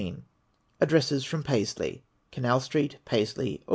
ADDRESSKS FROM PAISLEY. Canal Street, Paisley, Aug.